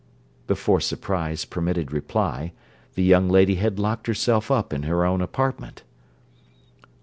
Before surprise permitted reply, the young lady had locked herself up in her own apartment.